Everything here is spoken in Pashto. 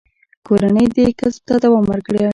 کورنۍ دې کسب ته دوام ورکړ.